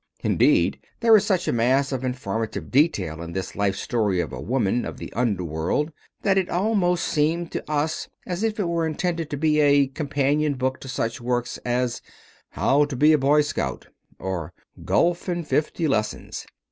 Indeed, there is such a mass of informative detail in this life story of a woman of the underworld that it almost seemed to us as if it were intended to be a companion book to such works as How To Be a Boy Scout or Golf in Fifty Lessons.